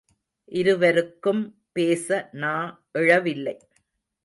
இருவருக்கும் பேச நா எழவில்லை.